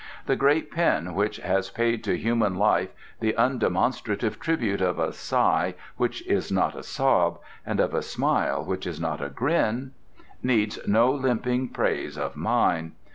The great pen which has paid to human life "the undemonstrative tribute of a sigh which is not a sob, and of a smile which is not a grin," needs no limping praise of mine.